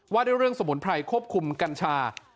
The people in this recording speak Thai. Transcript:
ว่าด้วยเรื่องสมุนไพรควบคุมกัญชา